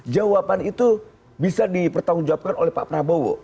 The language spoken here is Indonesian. jawaban itu bisa dipertanggungjawabkan oleh pak prabowo